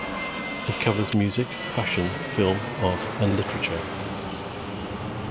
It covers music, fashion, film, art, and literature.